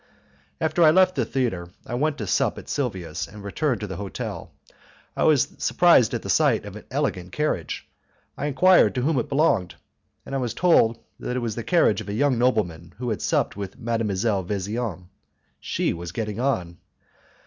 After I had left the theatre, I went to sup at Silvia's and returned to the hotel. I was surprised at the sight of an elegant carriage; I enquired to whom it belonged, and I was told that it was the carriage of a young nobleman who had supped with Mdlle. Vesian. She was getting on.